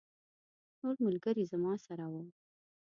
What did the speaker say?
نور ملګري زما سره وو.